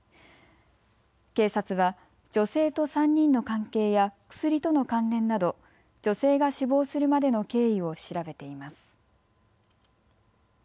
警察は女性と３人の関係や薬との関連など女性が死亡するまでの経緯を調べています。